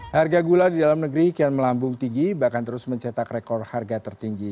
harga gula di dalam negeri kian melambung tinggi bahkan terus mencetak rekor harga tertinggi